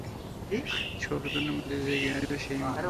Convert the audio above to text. ষোল জনের মধ্যে, যে এগিয়ে আসবে সেই মারি।